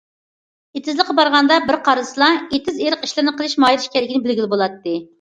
ئېتىزلىققا بارغاندا، بىر قارىسىلا ئېتىز- ئېرىق ئىشلىرىنى قىلىش ماھىرى ئىكەنلىكىنى بىلگىلى بولاتتى.